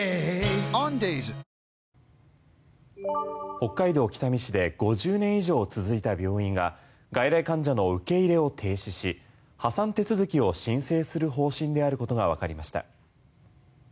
北海道北見市で５０年以上続いた病院が外来患者の受け入れを停止し破産手続きを申請する方針であることがわかりました。